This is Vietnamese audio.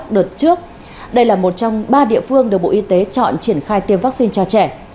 đây là một trong ba địa phương được bộ y tế chọn triển khai tiêm vaccine cho trẻ